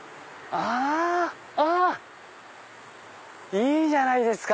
いいじゃないですか！